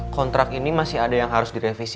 kontrak ini masih ada yang harus direvisi